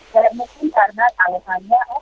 ya mungkin karena alasannya